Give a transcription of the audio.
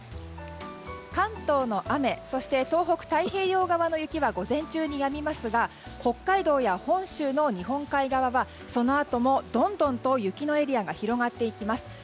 関東の雨そして東北、太平洋側の雪は午前中にやみますが北海道や本州の日本海側はそのあともどんどんと雪のエリアが広がっていきます。